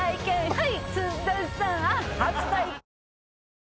はい！